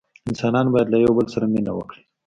انسانان باید له یوه بل سره مینه وکړي.